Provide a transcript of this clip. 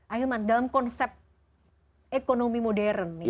ahilman dalam konsep ekonomi modern